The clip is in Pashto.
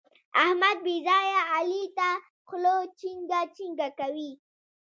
احمد بې ځايه علي ته خوله چينګه چینګه کوي.